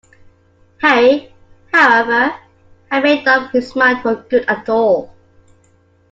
Harry, however, had made up his mind for good and all.